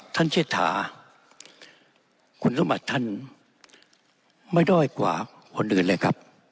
เชษฐาคุณสมบัติท่านไม่ด้อยกว่าคนอื่นเลยครับ